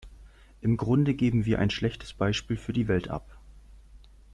Im Grunde geben wir ein schlechtes Beispiel für die Welt ab.